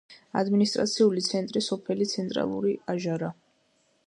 ადმინისტრაციული ცენტრი სოფელი ცენტრალური აჟარა.